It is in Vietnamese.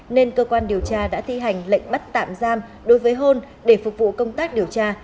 nên cơ quan điều tra đã thi hành lệnh bắt tạm giam đối với hôn để phục vụ công tác điều tra